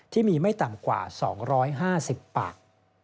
ที่มีไม่ต่ำกว่า๒๕๐ปาก